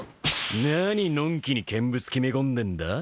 何のんきに見物決め込んでんだ。